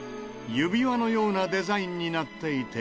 指輪のようなデザインになっていて。